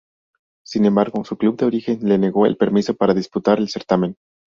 Sin embargo, su club de origen le negó el permiso para disputar el certamen.